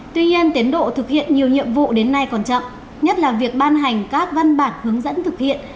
tuy nhiên tiến độ thực hiện nhiều nhiệm vụ đến nay còn chậm nhất là việc ban hành các văn bản hướng dẫn thực hiện